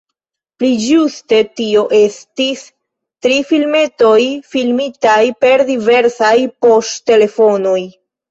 Pli ĝuste tio estis tri filmetoj, filmitaj per diversaj poŝtelefonoj.